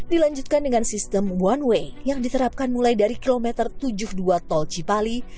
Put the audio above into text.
dilanjutkan dengan sistem one way yang diterapkan mulai dari kilometer tujuh puluh dua tol cipali